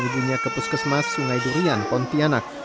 di dunia kepuskesmas sungai durian pontianak